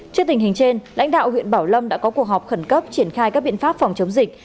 trước tình hình trên lãnh đạo huyện bảo lâm đã có cuộc họp khẩn cấp triển khai các biện pháp phòng chống dịch